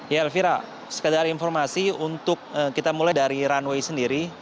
ya elvira sekedar informasi untuk kita mulai dari runway sendiri